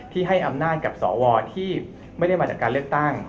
ที่ให้อำนาจที่ไม่ได้มาจากการเลือกตั้ง